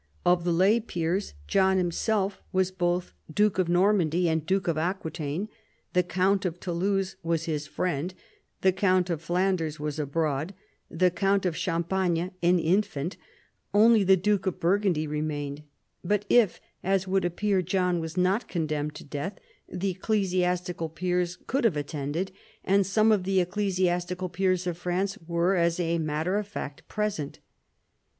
Of the lay peers John himself was bqth duke of Normandy and duke of Aquitaine, the count of Toulouse was his friend, the count of Flanders was abroad, the count of Champagne an infant : only the duke of Burgundy re mained. But if, as would appear, John was not con demned to death, the ecclesiastical peers could have attended, and some of the ecclesiastical peers of France were as a matter of fact present.